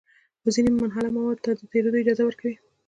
خو ځینې منحله موادو ته د تېرېدو اجازه ورکوي.